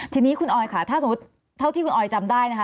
ทีนี้คุณออยค่ะถ้าสมมุติเท่าที่คุณออยจำได้นะคะ